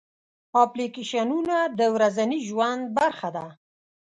اپلیکیشنونه د ورځني ژوند برخه ده.